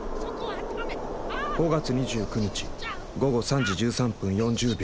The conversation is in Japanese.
５月２９日午後３時１３分４０秒。